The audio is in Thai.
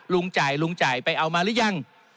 ลุงจ่ายลุงจ่ายไปเอามาหรือยัง